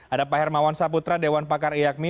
ada pak hermawan saputra dewan pakar iakmi